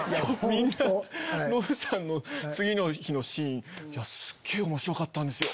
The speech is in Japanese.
みんなノブさんの次の日のシーン「すっげぇ面白かったんですよ！」